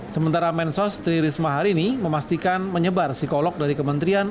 sementara mensos tri risma hari ini memastikan menyebar psikolog dari kementerian